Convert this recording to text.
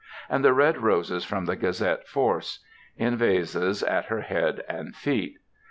and the red roses from the Gazette force in vases at her head and feet.